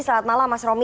selamat malam mas romy